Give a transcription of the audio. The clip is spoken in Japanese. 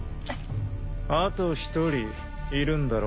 あと１人いるんだろ？